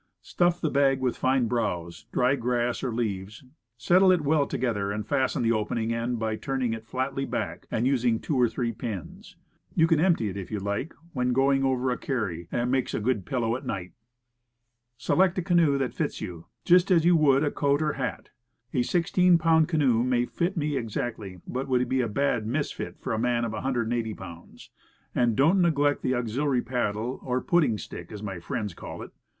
Stuff the bag with fine browse, dry grass or leaves, settle it well together, and fasten the open end by turning it flatly back and using two or three pins. You can empty it if you like when going over a carry, and it makes a good pillow at night. Select a canoe that fits you, just as you would a coat or hat. A 16 pound canoe may fit me exactly, but would be a bad misfit for a man of 180 pounds. And don't neglect the auxiliary paddle, or "pudding stick," as my friends call it.